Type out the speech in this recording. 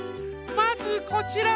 まずこちら。